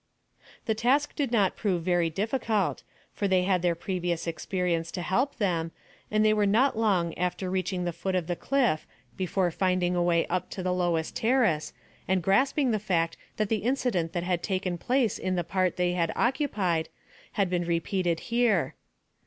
The task did not prove very difficult, for they had their previous experience to help them, and they were not long after reaching the foot of the cliff before finding a way up to the lowest terrace, and grasping the fact that the incident that had taken place in the part they had occupied had been repeated here.